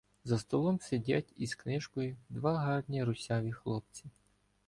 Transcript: За столом сидять із книжкою два гарні русяві хлопці.